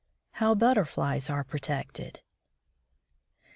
"_ HOW BUTTERFLIES ARE PROTECTED.